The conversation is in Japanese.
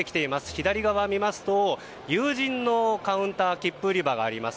左側を見ますと有人のカウンターと切符売り場があります。